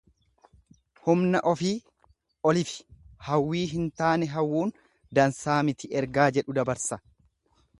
Humna ofii olifi hawwii hin taane hawwuun dansaa miti ergaa jedhu dabarsa.